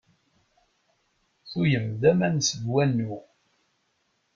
Tugem-d aman seg wanu.